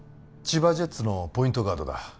千葉ジェッツのポイントガードだ